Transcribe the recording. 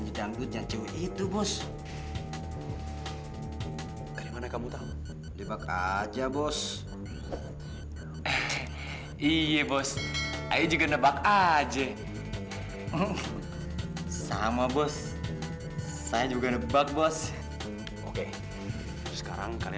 ianya ada apa ianya